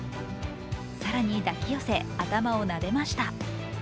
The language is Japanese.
更に抱き寄せ、頭をなでました。